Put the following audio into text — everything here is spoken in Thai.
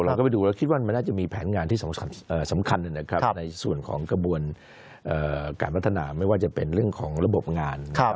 เราก็ไปดูแล้วคิดว่ามันน่าจะมีแผนงานที่สำคัญในส่วนของกระบวนการพัฒนาไม่ว่าจะเป็นเรื่องของระบบงาน